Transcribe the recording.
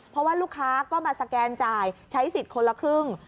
เพราะว่าลูกค้าก็มาสแกนจ่ายใช้สิทธิ์คนละครึ่ง